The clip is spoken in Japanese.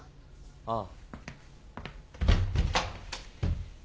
ああ。